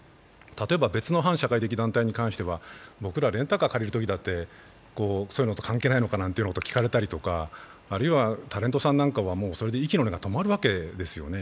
例えば別の反社会的団体に関しては僕ら、レンタカー借りるときもそういうのと関係ないのかと聞かれたりとかあるいはタレントさんなんかはそれで息の根が止まるわけですよね。